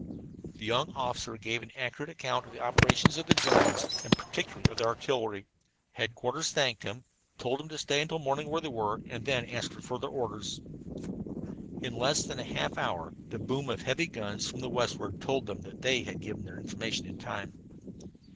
The young officer gave an accurate account of the operations of the Germans, and particularly of their artillery. Headquarters thanked them, told them to stay until morning where they were, and then ask for further orders. In less than half an hour the boom of heavy guns from the westward told them that they had given their information in time.